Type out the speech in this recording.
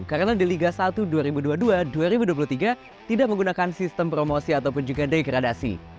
karena di liga satu dua ribu dua puluh tiga dua ribu dua puluh dua tidak menggunakan sistem promosi ataupun juga degradasi